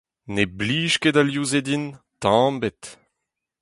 Ne blij ket al liv-se din tamm ebet.